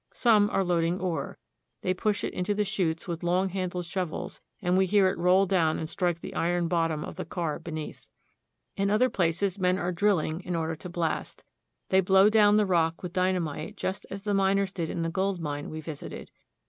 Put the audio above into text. Some are loading ore. They push it into the chutes with long handled shovels, and we hear it roll down and strike the iron bottom of the car beneath. In other places men are drilling in order to blast. They blow down the rock with dynamite just as the miners did in the gold mine we visited.